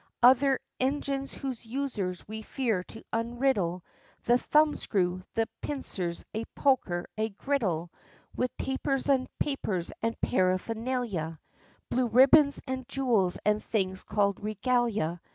Other engines whose uses we fear to unriddle The Thumb screw the Pincers a Poker a Griddle! With tapers and papers and paraphernalia, Blue ribbons and jewels and things call'd 'Regalia!'